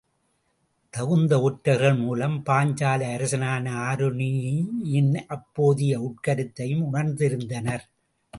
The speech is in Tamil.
தகுந்த ஒற்றர்கள் மூலம், பாஞ்சால அரசனான ஆருணியின் அப்போதைய உட்கருத்தைம் உணர்ந்திருந்தனர்.